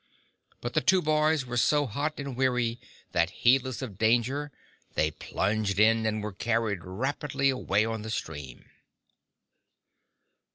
But the two boys were so hot and weary, that, heedless of danger, they plunged in, and were carried rapidly away on the stream.